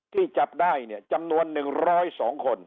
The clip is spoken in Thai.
ที่จับได้จำนวน๑๐๒คน